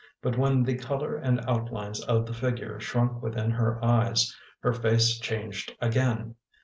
But when the color and outlines of the figure shrunk within her eyes, her face changed again.